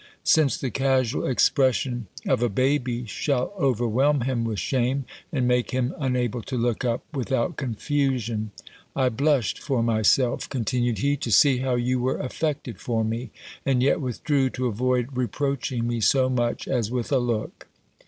Since the casual expression of a baby shall overwhelm him with shame, and make him unable to look up without confusion. I blushed for myself," continued he, "to see how you were affected for me, and yet withdrew, to avoid reproaching me so much as with a look.